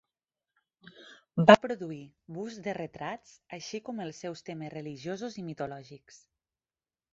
Va produir busts de retrats, així com els seus temes religiosos i mitològics.